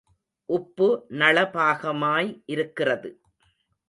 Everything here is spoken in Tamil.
உப்பு நளபாகமாய் இருக்கிறது.